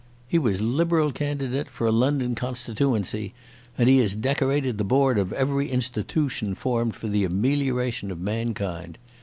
He was Liberal candidate for a London constitooency and he has decorated the board of every institootion formed for the amelioration of mankind.